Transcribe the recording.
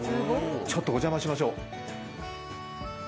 ちょっとお邪魔しましょう。